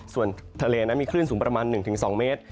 ส่วนทะเลนั้นมีคลื่นสูงประมาณ๑๒เมตร